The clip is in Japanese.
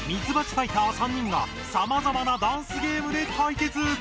ファイター３人がさまざまなダンスゲームで対決！